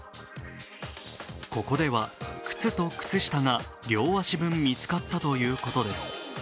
ここでは靴と靴下が両足分見つかったということです。